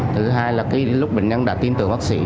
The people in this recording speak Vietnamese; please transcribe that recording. thứ hai là lúc bệnh nhân đã tin tưởng bác sĩ